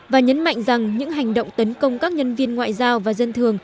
và nhấn mạnh rằng những hành động tấn công các nhân viên ngoại giao và dân thường